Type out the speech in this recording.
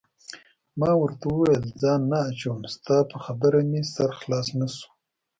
ما ورته وویل: ځان نه اچوم، ستا په خبره مې سر خلاص نه شو.